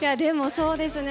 そうですね。